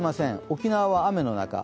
沖縄は雨の中。